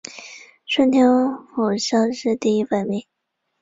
顺天府乡试第一百名。